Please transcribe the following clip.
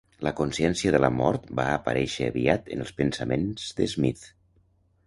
La consciència de la mort va aparèixer aviat en els pensaments d'Smith.